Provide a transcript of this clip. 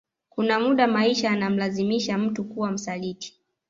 Kuna muda maisha yanamlazimisha mtu kuwa msaliti